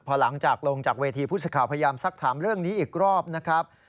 พอหลังจากลงจากเวทีผู้สื่อข่าวพยายามสักถามเรื่องนี้อีกรอบนะครับ